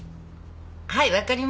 はい分かりました。